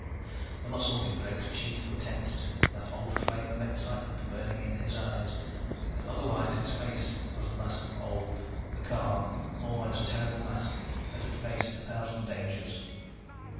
The muscles in Greg's cheeks were tensed, that old flame of excitement burning in his eyes, but otherwise his face was the mask of old, the calm, almost terrible mask that had faced a thousand dangers.